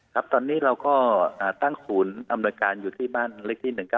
ครับตอนนี้เราก็ตั้งศูนย์อำนวยการอยู่ที่บ้านเลขที่๑๙